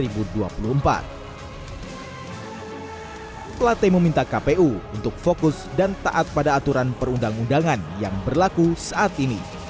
platte meminta kpu untuk fokus dan taat pada aturan perundang undangan yang berlaku saat ini